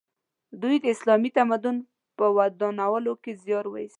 دوی د اسلامي تمدن په ودانولو کې زیار وایست.